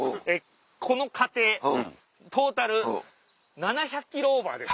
この過程トータル７００ｋｍオーバーです。